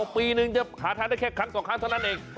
ปีนึงจะหาทานได้แค่ครั้ง๒ครั้งเท่านั้นเอง